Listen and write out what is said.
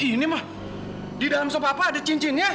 ini mah di dalam sop apa ada cincinnya